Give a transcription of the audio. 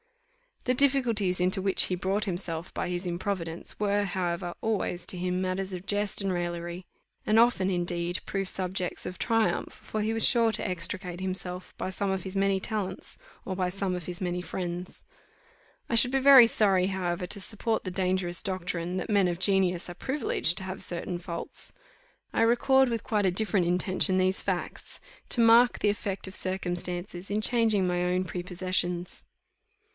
The difficulties into which he brought himself by his improvidence were, however, always to him matters of jest and raillery; and often, indeed, proved subjects of triumph, for he was sure to extricate himself, by some of his many talents, or by some of his many friends. I should be very sorry, however, to support the dangerous doctrine, that men of genius are privileged to have certain faults. I record with quite a different intention these facts, to mark the effect of circumstances in changing my own prepossessions.